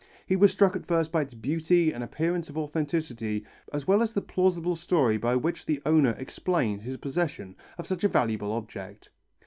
He was struck at first by its beauty and appearance of authenticity as well as the plausible story by which the owner explained his possession of such a valuable object.